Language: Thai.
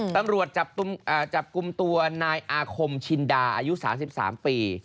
ตำรวจจับกลุ่มตัวนายอาคมชินดาอายุ๓๓ปี